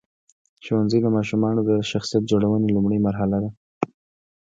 ښوونځی د ماشومانو د شخصیت جوړونې لومړۍ مرحله ده.